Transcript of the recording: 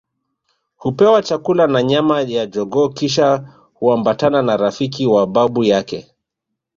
Hupewa chakula na nyama ya jogoo kisha huambatana na rafiki wa babu yake